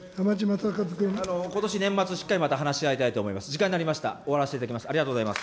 ことし年末、またしっかり話し合いたいと思います。